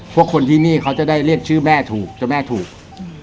พวกคนที่นี่เขาจะได้เรียกชื่อแม่ถูกเจ้าแม่ถูก